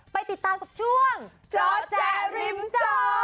ไปติดตามกับช่วงจอแจริมจอ